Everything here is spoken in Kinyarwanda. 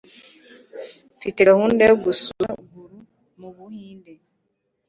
Mfite gahunda yo gusura guru mubuhinde.